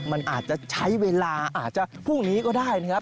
มันอาจจะใช้เวลาอาจจะพรุ่งนี้ก็ได้นะครับ